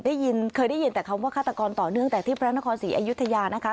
ได้ยินเคยได้ยินแต่คำว่าฆาตกรต่อเนื่องแต่ที่พระนครศรีอยุธยานะคะ